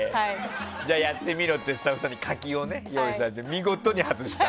じゃあやってみろってスタッフさんに柿を用意されて見事に外した。